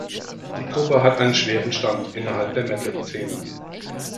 Die Gruppe hat einen schweren Stand innerhalb der Metal-Szene.